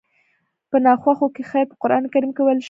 په ناخوښو کې خير په قرآن کريم کې ويل شوي.